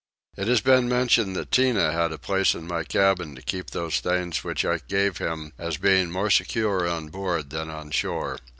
It has been mentioned that Tinah had a place in my cabin to keep those things which I gave him as being more secure on board than on shore.